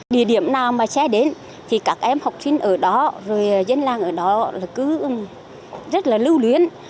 địa điểm nào mà xe đến thì các em học sinh ở đó rồi dân làng ở đó là cứ rất là lưu luyến